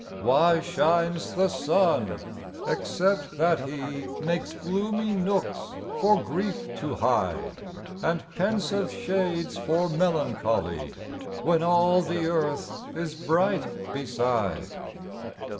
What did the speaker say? Why shines the Sun, except that he Makes gloomy nooks for Grief to hide, And pensive shades for Melancholy, When all the earth is bright beside?